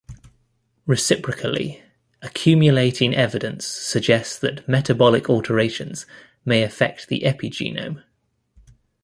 Reciprocally, accumulating evidence suggest that metabolic alterations may affect the epigenome.